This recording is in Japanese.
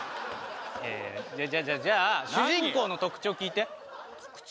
いやいやじゃあじゃあじゃあ主人公の特徴聞いて特徴？